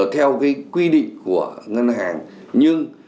theo cái quy định của ngân hàng nhưng